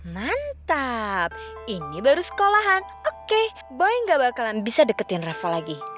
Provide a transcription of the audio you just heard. mantap ini baru sekolahan oke boy gak bakalan bisa deketin rafael lagi